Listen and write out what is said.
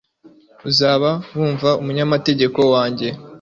Uzaba wumva umunyamategeko wanjye